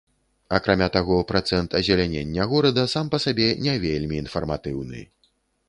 Акрамя таго, працэнт азелянення горада сам па сабе не вельмі інфарматыўны.